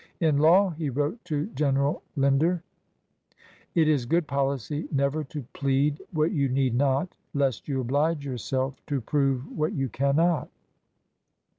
"In law" he wrote to General Linder, "it is good policy never to plead what you need not, lest you oblige your self to prove what you cannot."